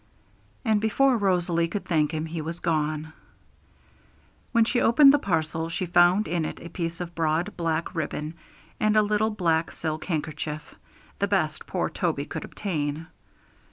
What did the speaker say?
And before Rosalie could thank him, he was gone. When she opened the parcel, she found in it a piece of broad black ribbon, and a little black silk handkerchief the best poor Toby could obtain.